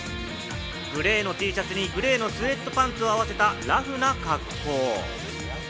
グレーのＴシャツにグレーのスウェットパンツに合わせたラフな格好。